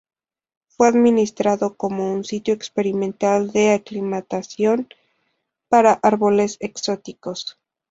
Fue administrado como un sitio experimental de aclimatación para árboles exóticos.